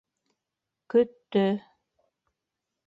Көттө.